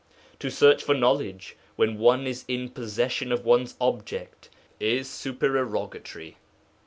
To search for knowledge when one is in possession of one's object is supererogatory.